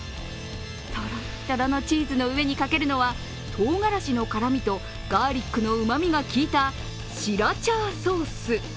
とろっとろのチーズの上にかけるのは唐辛子の辛みとガーリックのうまみがきいた、シラチャーソース。